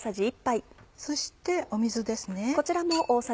そして水ですね。